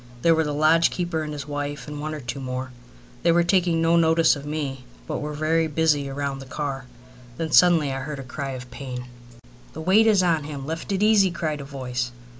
There were the lodge keeper and his wife, and one or two more. They were taking no notice of me, but were very busy round the car. Then suddenly I heard a cry of pain. "The weight is on him. Lift it easy," cried a voice.